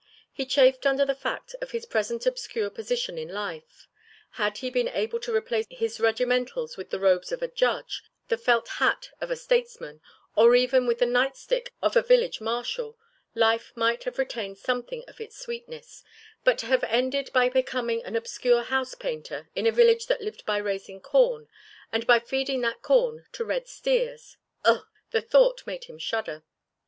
He chafed under the fact of his present obscure position in life. Had he been able to replace his regimentals with the robes of a judge, the felt hat of a statesman, or even with the night stick of a village marshal life might have retained something of its sweetness, but to have ended by becoming an obscure housepainter in a village that lived by raising corn and by feeding that corn to red steers ugh! the thought made him shudder.